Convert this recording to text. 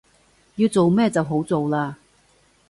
要做咩就好做喇